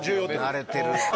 慣れてるな。